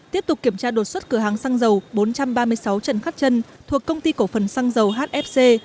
tiếp tục kiểm tra đột xuất cửa hàng xăng dầu bốn trăm ba mươi sáu trần khát trân thuộc công ty cổ phần xăng dầu hfc